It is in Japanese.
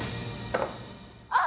あっ！